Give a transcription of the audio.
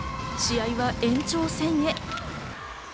試合は延長戦へ。